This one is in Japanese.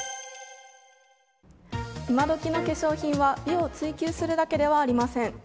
今どきの化粧品は美を追究するだけではありません。